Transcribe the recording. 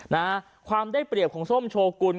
นะความได้เปรียบของส้มโชฟ์กุลของ